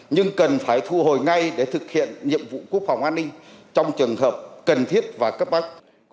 nhưng cần phải thu hồi ngay để thực hiện nhiệm vụ quốc phòng an ninh trong trường hợp cần thiết và cấp bách